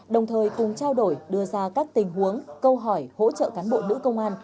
đồng thời cùng trao đổi đưa ra các tình huống câu hỏi hỗ trợ cán bộ nữ công an